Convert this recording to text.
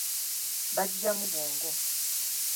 Bajjamu bwongo.